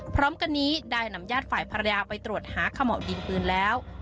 พร้อมกันนี้ได้นำญาติฝ่ายภรรยาไปตรวจหาเขม่าวดินปืนแล้ว